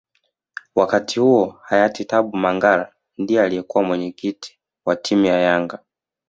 Wakati huo Hayati Tabu Mangara ndiye aliyekuwa mwenyekiti wa timu ya yanga